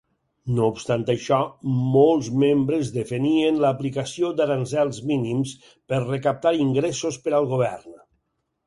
No obstant això, molts membres defenien l'aplicació d'aranzels mínims per recaptar ingressos per al govern.